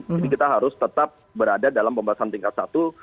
jadi kita harus tetap berada dalam pembahasan tingkat satu